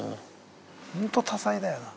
ホント多才だよな。